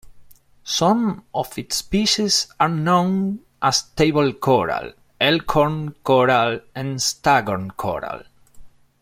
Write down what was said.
Some of its species are known as table coral, elkhorn coral, and staghorn coral.